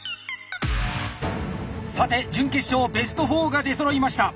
さて準決勝ベスト４が出そろいました。